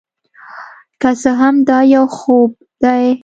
که څه هم دا یو خوب دی،